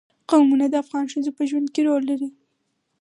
قومونه د افغان ښځو په ژوند کې رول لري.